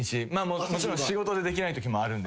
もちろん仕事でできないときもあるんですけど。